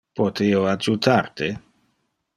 Pote io adjutar te?